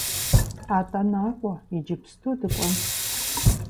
АтӀэ накӀуэ иджыпсту дыкӀуэнщ.